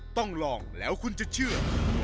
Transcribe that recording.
ต้องลองแล้วคุณจะเชื่อ